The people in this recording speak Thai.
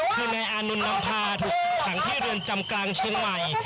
คือนายอานนท์นำพาถูกขังที่เรือนจำกลางเชียงใหม่